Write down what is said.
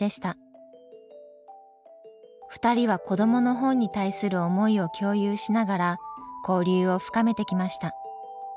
２人は子どもの本に対する思いを共有しながら交流を深めてきました。